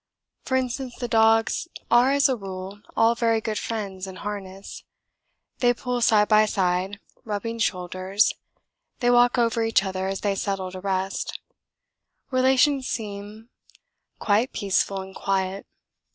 For instance the dogs are as a rule all very good friends in harness: they pull side by side rubbing shoulders, they walk over each other as they settle to rest, relations seem quite peaceful and quiet.